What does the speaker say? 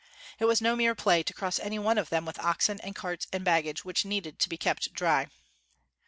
It was no mere play to cross any one of them with oxen and carts and baggage which needed to be kept dry.